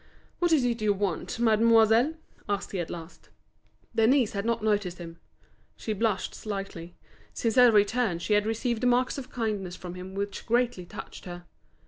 "What is it you want, mademoiselle?" asked he at last. Denise had not noticed him. She blushed slightly. Since her return she had received marks of kindness from him which greatly touched her.